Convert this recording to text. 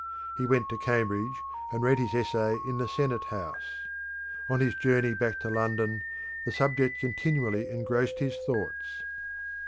He went to Cambridge, and read his essay in the Senate House. On his journey back to London the subject continually engrossed his thoughts.